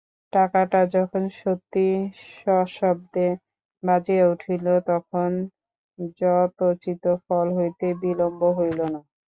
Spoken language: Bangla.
টাকাটা যখন সত্যই সশব্দে বাজিয়া উঠিল তখন যথোচিত ফল হইতে বিলম্ব হইল না।